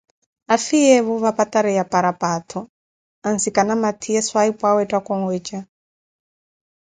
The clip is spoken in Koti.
Afiyeevo vampatari ya paraphato ansikana mathiye swaahipuawe ettaka onweeja